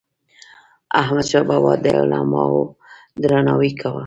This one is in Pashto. احمدشاه بابا به د علماوو درناوی کاوه.